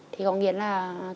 thì có nghĩa là